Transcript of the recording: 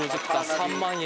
３万円！